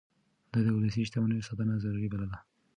ده د ولسي شتمنيو ساتنه ضروري بلله.